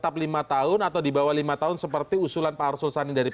tetap lima tahun atau di bawah lima tahun seperti usulan pak arsul sani dari p tiga